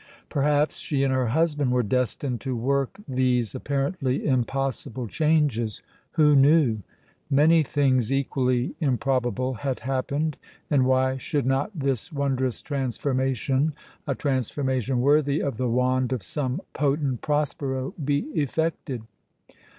Perhaps she and her husband were destined to work these apparently impossible changes! Who knew? Many things equally improbable had happened, and why should not this wondrous transformation, a transformation worthy of the wand of some potent Prospero, be effected?